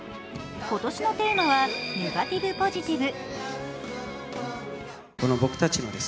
今年のテーマは「ネガティブポジティブ」。